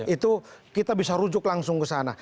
itu kita bisa rujuk langsung ke sana